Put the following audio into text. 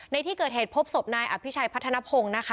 ในที่เกิดเหตุพบศพนายอภิชัยพัฒนภงนะคะ